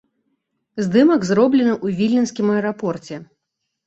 Здымак зроблены ў віленскім аэрапорце.